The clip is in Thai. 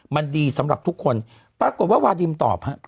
มันดีสำหรับทุกคนปรากฏว่าวาดิมตอบฮะ